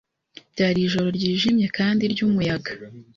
Byari ijoro ryijimye kandi ryumuyaga.